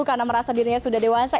karena merasa dirinya sudah dewasa